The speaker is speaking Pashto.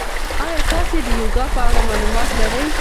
ایا تاسي د یوګا په اړه معلومات لرئ؟